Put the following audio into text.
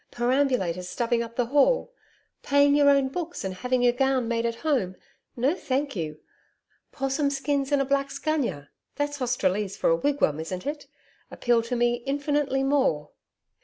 Perambulators stuffing up the hall; paying your own books and having your gown made at home! No, thank you. 'Possum skins and a black's gunya that's Australese for a wigwam, isn't it? appeal to me infinitely more.'